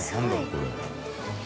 これ。